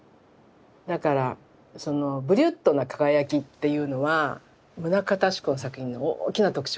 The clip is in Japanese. だからそのブリュットな輝きっていうのは棟方志功の作品の大きな特徴ですね。